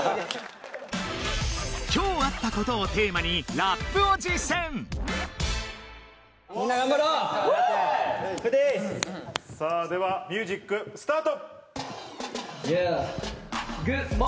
「今日あったこと」をテーマにラップを実践ではミュージックスタート。